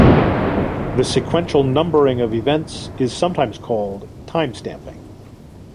The sequential numbering of events is sometimes called timestamping.